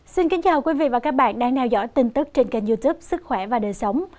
xin kính chào quý vị và các bạn đang theo dõi tin tức trên kênh youtube sức khỏe và đời sống